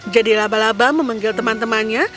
jadi laba laba memanggil teman temannya